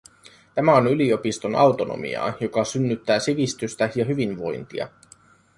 Tämä on yliopiston autonomiaa, joka synnyttää sivistystä ja hyvinvointia.